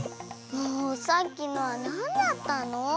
もうさっきのはなんだったの？